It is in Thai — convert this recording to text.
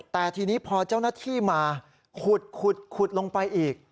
แต่ทีนี้พอเจ้าหน้าที่มาขุดลงไปอีก